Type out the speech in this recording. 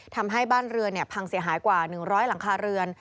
ทำให้บ้านเรือนพังเสียหายกว่า๑๐๐หลังคาเรือน